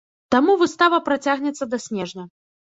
Таму выстава працягнецца да снежня.